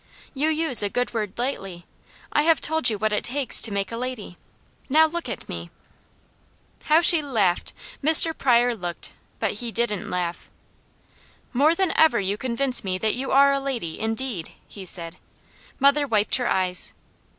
You use a good word lightly. I have told you what it takes to make a lady now look at me!" How she laughed! Mr. Pryor looked, but he didn't laugh. "More than ever you convince me that you are a lady, indeed," he said. Mother wiped her eyes.